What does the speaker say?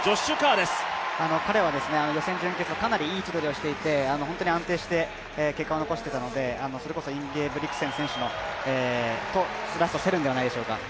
彼は予選準決、かなりいい位置取りをしていて本当に安定していて、結果を残していたのでそれこそインゲブリクセン選手とラスト競るんではないでしょうか。